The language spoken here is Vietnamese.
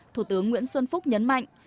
thủ tướng nguyễn xuân phúc nhấn mạnh